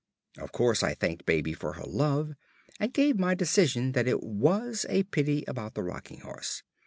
Of course I thanked Baby for her love and gave my decision that it was a pity about the rocking horse.